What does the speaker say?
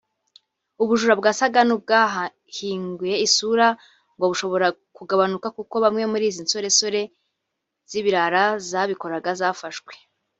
ubu bujura bwasaga nubwahinguye isura ngo bushobora kugabanuka kuko bamwe muri izi nsoresore z’ibirara zabikoraga zafashwe